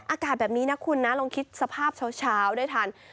อากาศแบบนี้นะคุณนะลองคิดสภาพเช้าได้ทาน